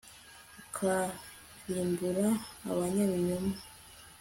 ukarimbura abanyabinyoma